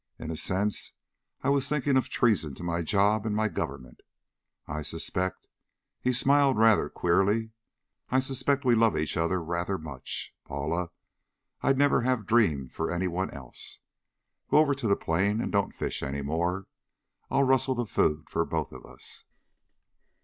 In a sense, I was thinking of treason to my job and my government. I suspect" he smiled rather queerly "I suspect we love each other rather much, Paula. I'd never have dreamed for anyone else. Go over to the plane and don't fish any more. I'll rustle the food for both of us."